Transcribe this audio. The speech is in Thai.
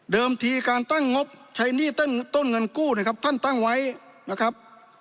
ทีการตั้งงบใช้หนี้ต้นเงินกู้นะครับท่านตั้งไว้นะครับ